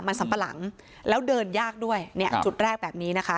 มันสัมปะหลังแล้วเดินยากด้วยเนี่ยจุดแรกแบบนี้นะคะ